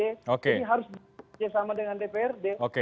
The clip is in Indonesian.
jadi harus bersama dengan dprd